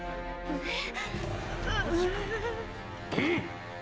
うっ！！